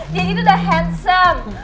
jadi itu udah handsome